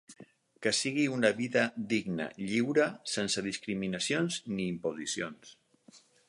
Que sigui una vida digna, lliure, sense discriminacions ni imposicions.